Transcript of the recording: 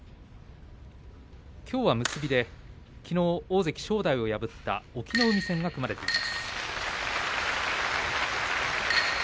きょうは結びできのう大関正代を破った隠岐の海戦が組まれています。